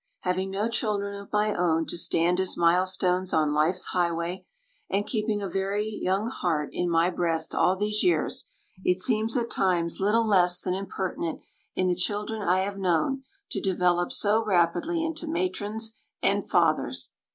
Having no children of my own to stand as milestones on life's highway, and keeping a very young heart in my breast all these years, it seems at times little less than impertinent in the children I have known to develop so rapidly into matrons and fathers.